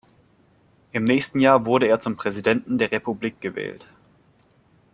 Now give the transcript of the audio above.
Im nächsten Jahr wurde er zum Präsidenten der Republik gewählt.